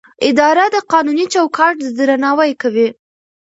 اداره د قانوني چوکاټ درناوی کوي.